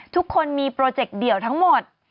ทุกคนมีโปรเจคเดี่ยวทั้งหมด